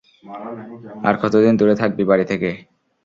আর কতদিন দূরে থাকবি বাড়ি থেকে?